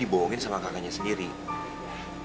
dia dibohongin kalo dia tuh menang quiz yang kemaren